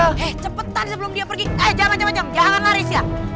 eh cepetan sebelum dia pergi eh jangan jangan jangan jangan lari siang